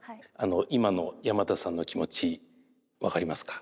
今の山田さんの気持ち分かりますか？